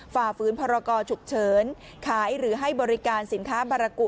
ฝ่าฝืนพรกรฉุกเฉินขายหรือให้บริการสินค้าบารกุ